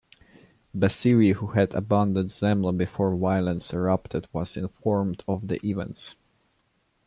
Bassiri, who had abandoned Zemla before violence erupted, was informed of the events.